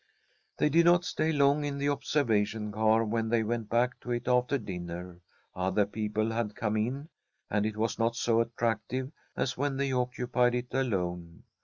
They did not stay long in the observation car when they went back to it after dinner. Other people had come in, and it was not so attractive as when they occupied it alone.